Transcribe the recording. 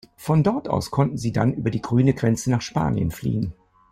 Von dort aus konnten sie dann über die grüne Grenze nach Spanien fliehen.